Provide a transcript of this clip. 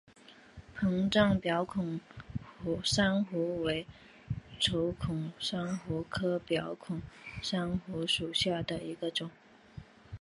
膨胀表孔珊瑚为轴孔珊瑚科表孔珊瑚属下的一个种。